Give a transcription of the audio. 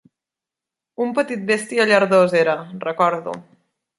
Un petit bèstia llardós era, recordo.